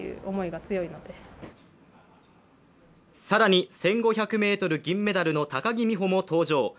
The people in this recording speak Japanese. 更に、１５００ｍ銀メダルの高木美帆も登場。